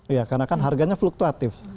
iya karena kan harganya fluktuatif